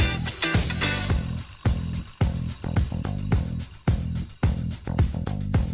โอเคลาไปก่อนเข้าเปื้อของแบบแยก